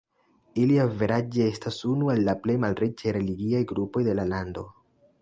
Ili averaĝe estas unu el la plej malriĉaj religiaj grupoj de la lando.